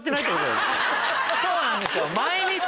そうなんですよ毎日。